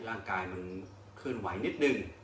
ร่างกายมันขึ้นไหวนิดหนึ่ง